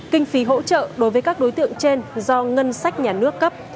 kinh phí hỗ trợ đối với các đối tượng trên do ngân sách nhà nước cấp